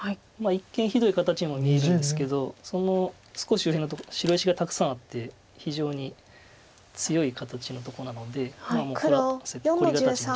一見ひどい形にも見えるんですけどその少し周辺のとこ白石がたくさんあって非常に強い形のとこなのでもうこれは。